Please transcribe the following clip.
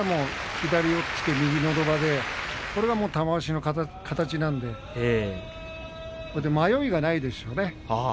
左押っつけ、右のど輪これは玉鷲の形なので迷いがないですね。